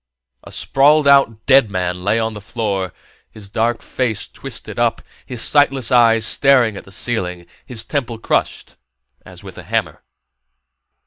A sprawled out dead man lay on the floor, his dark face twisted up, his sightless eyes staring at the ceiling, his temple crushed as with a hammer.